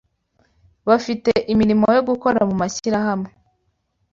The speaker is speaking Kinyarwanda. bafite imirimo yo gukora mumashyirahamwe